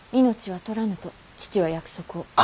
命は取らぬと父は約束を。